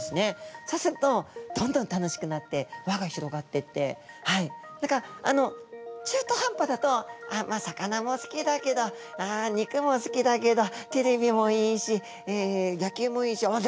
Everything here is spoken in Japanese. そうするとどんどん楽しくなって輪が広がってってだからあの中途半端だと「まあ魚も好きだけどあ肉も好きだけどテレビもいいしえ野球もいいしあっ